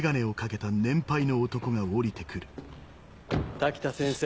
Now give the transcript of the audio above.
滝田先生。